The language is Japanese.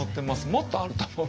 もっとあると思う。